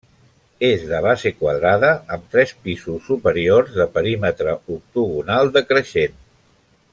És de base quadrada amb tres pisos superiors de perímetre octogonal decreixent.